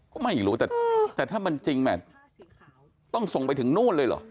ก็ไม่รู้แต่ถ้ามันจริงแหม่ต้องส่งไปถึงนู่นเลยเหรอ